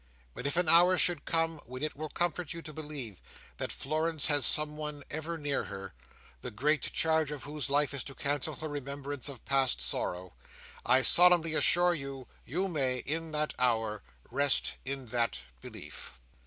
But if an hour should come when it will comfort you to believe that Florence has someone ever near her, the great charge of whose life is to cancel her remembrance of past sorrow, I solemnly assure you, you may, in that hour, rest in that belief.